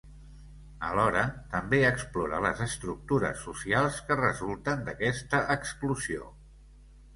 Alhora, també explora les estructures socials que resulten d'aquesta exclusió.